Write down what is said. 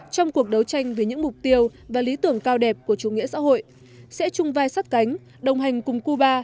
trong cuộc đấu tranh vì những mục tiêu và lý tưởng cao đẹp của chủ nghĩa xã hội sẽ chung vai sát cánh đồng hành cùng cuba